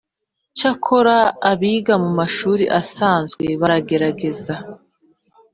Cyakora abiga mu mashuri asanzwe baragerageza